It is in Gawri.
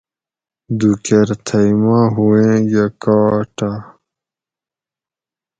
دُو کۤر تھئی ما ہُوئیں یہ کاٹاۤ